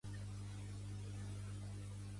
El pèl dels animals és alegria.